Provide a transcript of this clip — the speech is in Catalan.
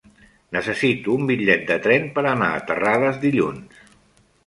Necessito un bitllet de tren per anar a Terrades dilluns.